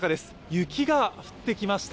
雪が降ってきました。